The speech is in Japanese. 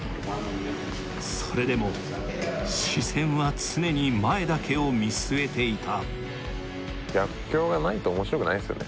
それでも視線は常に前だけを見据えていた